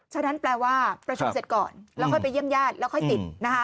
ฉะนั้นแปลว่าประชุมเสร็จก่อนแล้วค่อยไปเยี่ยมญาติแล้วค่อยติดนะคะ